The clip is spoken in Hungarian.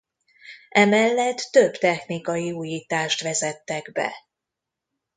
Emellett több technikai újítást vezettek be.